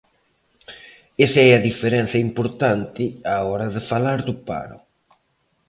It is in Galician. Esa é a diferenza importante á hora de falar do paro.